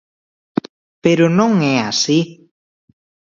Pero non é así.